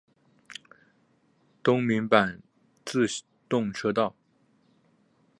东名阪自动车道。